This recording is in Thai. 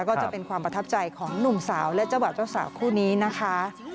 ก็จะเป็นความประทับใจของหนุ่มสาวและเจ้าบ่าวเจ้าสาวคู่นี้นะคะ